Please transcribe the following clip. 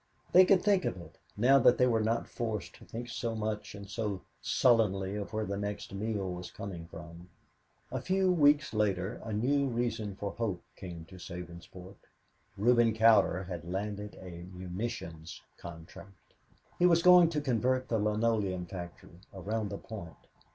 They could think of it, now that they were not forced to think so much and so sullenly of where the next meal was coming from. A few weeks later a new reason for hope came to Sabinsport. Reuben Cowder had landed a munition contract. He was going to convert the linoleum factory "around the point."